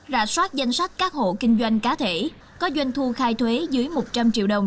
rạ soát danh sách các hộ kinh doanh cá thể có doanh thu khai thuế dưới một trăm linh triệu đồng